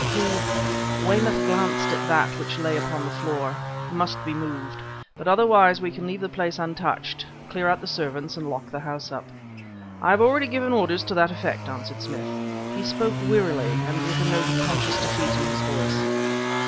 "He" Weymouth glanced at that which lay upon the floor "must be moved; but otherwise we can leave the place untouched, clear out the servants, and lock the house up." "I have already given orders to that effect," answered Smith. He spoke wearily and with a note of conscious defeat in his voice.